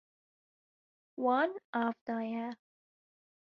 Wan av daye.